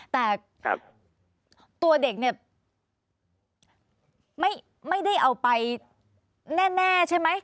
แต่ตัวเด็กเนี่ยไม่ได้เอาไปแน่ใช่ไหม